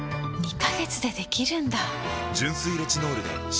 ２カ月でできるんだ！